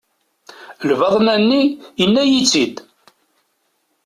Lbaḍna-nni, yenna-iyi-tt-id.